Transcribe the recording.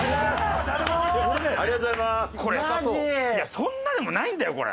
そんなでもないんだよこれ。